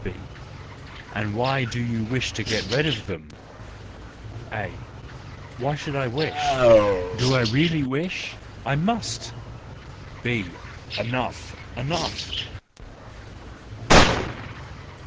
B : And why do you wish to get rid of them ? A: Why I wish ? Do I really wish! I must.—B : Enough ! Enough!